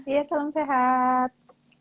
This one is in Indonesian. iya salam sehat